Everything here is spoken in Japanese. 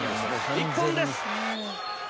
一本です！